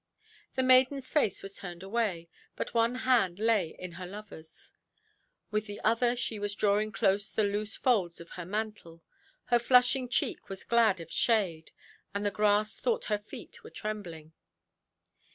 The maidenʼs face was turned away, but one hand lay in her loverʼs; with the other she was drawing close the loose folds of her mantle—her flushing cheek was glad of shade, and the grass thought her feet were trembling.